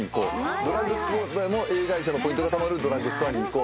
ドラッグストアでもＡ会社のポイントがたまるドラッグストアに行こう。